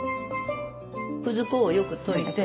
くず粉をよく溶いて。